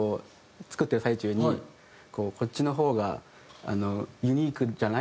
作ってる最中に「こっちの方がユニークじゃない？」とか。